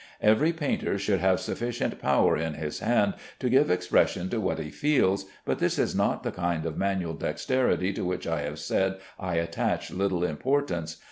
Every painter should have sufficient power in his hand to give expression to what he feels, but this is not the kind of manual dexterity to which I have said I attach little importance.